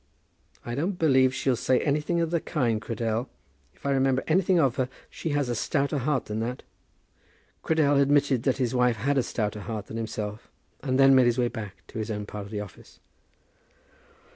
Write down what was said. "I don't believe she'll say anything of the kind, Cradell. If I remember anything of her, she has a stouter heart than that." Cradell admitted that his wife had a stouter heart than himself, and then made his way back to his own part of the office.